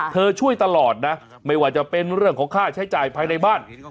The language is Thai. ช่วยตลอดนะไม่ว่าจะเป็นเรื่องของค่าใช้จ่ายภายในบ้าน